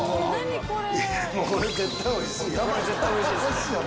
これ絶対おいしいですね。